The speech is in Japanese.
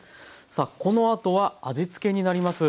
さあこのあとは味付けになります。